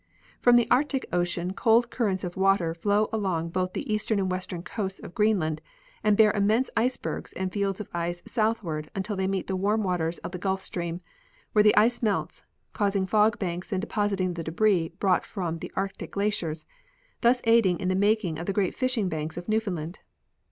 From the Arctic ocean cold currents of water flow along both the eastern and western coasts of Greenland and bear immense icebergs and fields of ice southward until they meet the warm waters of the Gulf stream, when the ice melts, causing fog banks and depositing the del^ris brought from the Arctic glaciers, thus aiding in the making of the great fishing banks of Newfoundland.